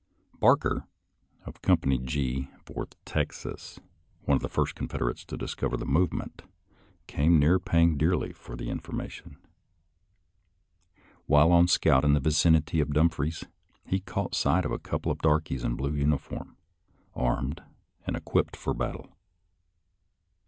Barker, of Company G, Fourth Texas, one of the first Confederates to discover the movement, came near paying dearly for the in formation. While on a scout in the vicinity of Dumfries he caught sight of a couple of darkies in blue uniform, armed and equipped for battle.